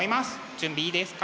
準備いいですか？